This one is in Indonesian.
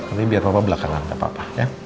ini biar papa belakangan gak apa apa ya